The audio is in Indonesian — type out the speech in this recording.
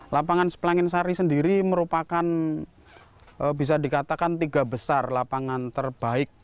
lapangan sepelangin sari sendiri merupakan bisa dikatakan tiga besar lapangan terbaik